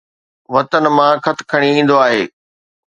وطن مان خط کڻي ايندو آهي